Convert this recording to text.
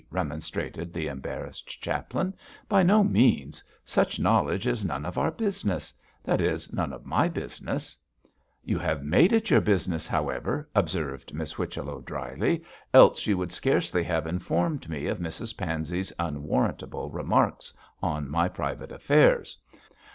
remonstrated the embarrassed chaplain, 'by no means; such knowledge is none of our business that is, none of my business.' 'You have made it your business, however!' observed Miss Whichello, dryly, 'else you would scarcely have informed me of Mrs Pansey's unwarrantable remarks on my private affairs.